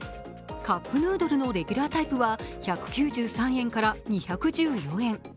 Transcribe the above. カップヌードルのレギュラータイプは１９３円から２１４円。